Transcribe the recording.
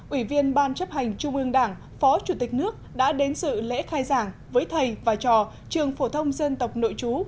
ủy viên ban chấp hành trung ương đảng phó chủ tịch nước đã đến sự lễ khai giảng với thầy và trò trường phổ thông dân tộc nội chú